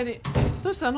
どうしたの？